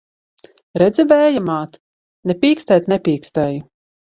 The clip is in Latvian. Redzi, Vēja māt! Ne pīkstēt nepīkstēju!